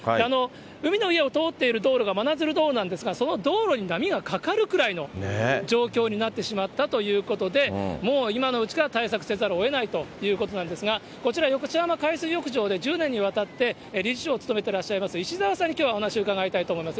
海の家を通っている道路が真鶴道路なんですが、その道路に波がかかるくらいの状況になってしまったということで、もう今のうちから対策せざるをえないということなんですが、こちら、吉浜海水浴場で１０年にわたって理事長を務めてらっしゃいます石澤さんにきょうはお話伺いたいと思います。